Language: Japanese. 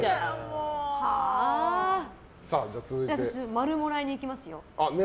〇もらいに行きますよ。